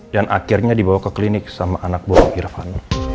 dan akhirnya dibawa ke klinik sama anak buah om irfan